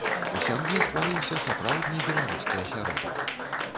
У сям'і стварыўся сапраўдны беларускі асяродак.